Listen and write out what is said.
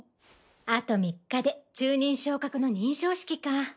あと３日で中忍昇格の認証式か。